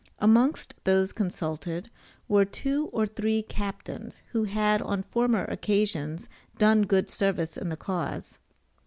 Amongst those consulted were two or three captains who had on former occasions done good service in the cause.